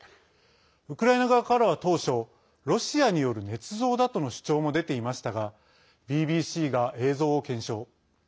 ウクライナ側からは当初ロシアによるねつ造だとの主張も出ていましたがＢＢＣが映像を検証。